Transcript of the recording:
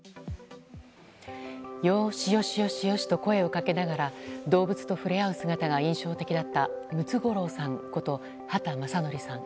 よーしよしよしよしと声をかけながら動物を触れ合う姿が印象的だったムツゴロウさんこと畑正憲さん。